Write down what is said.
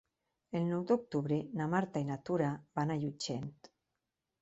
El nou d'octubre na Marta i na Tura van a Llutxent.